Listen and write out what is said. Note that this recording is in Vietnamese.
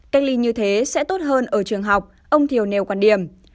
cách ly như thế sẽ tốt hơn ở trường học ông thiều nêu quan điểm